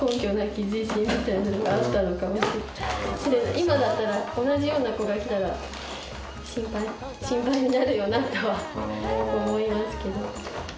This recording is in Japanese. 今だったら同じような子が来たら心配になるよなとは思いますけど。